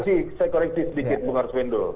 saya koreksi sedikit bung arswin dulu